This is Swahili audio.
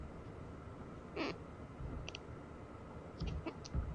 Sababu hizi zote ziliathiri kufahamishwa kwa wakazi wa